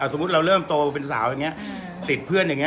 สมมติเราเริ่มโตเป็นสาวอะไรอย่างงี้